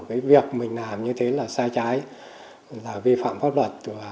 cái việc mình làm như thế là sai trái là vi phạm pháp luật